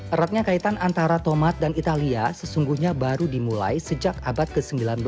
eratnya kaitan antara tomat dan italia sesungguhnya baru dimulai sejak abad ke sembilan belas